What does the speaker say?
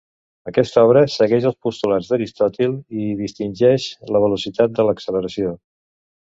Aquesta obra segueix els postulats d'Aristòtil i hi distingeix la velocitat de l'acceleració.